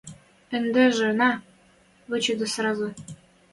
Ӹндежӹ — нӓ! Вычыде сразы